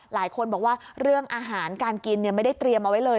หลายคนบอกว่าเรื่องอาหารการกินไม่ได้เตรียมเอาไว้เลย